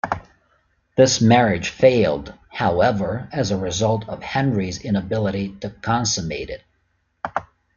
This marriage failed, however, as a result of Henry's inability to consummate it.